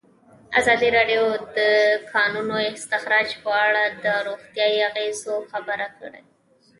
ازادي راډیو د د کانونو استخراج په اړه د روغتیایي اغېزو خبره کړې.